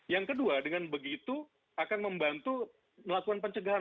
yang kedua dengan begitu akan membantu melakukan pencegahan